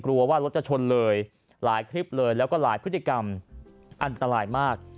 กลัวว่ารถจะชนเลยหลายคลิปเลยแล้วก็หลายพฤติกรรมอันตรายมาก